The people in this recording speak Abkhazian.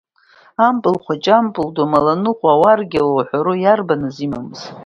Ампыл хәыҷы, ампыл ду, амаланыҟәа, ауаргьала уҳәару, иарбаныз имамыз?